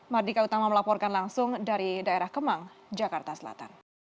mardika utama melaporkan langsung dari daerah kemang jakarta selatan